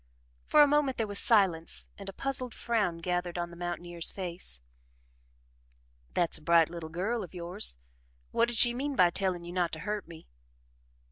For a moment there was silence and a puzzled frown gathered on the mountaineer's face. "That's a bright little girl of yours What did she mean by telling you not to hurt me?"